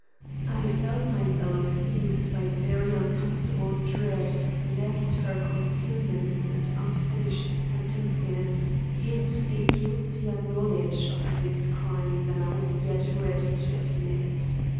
I felt myself seized by a very uncomfortable dread lest her concealments and unfinished sentences hid a guiltier knowledge of this crime than I was yet ready to admit.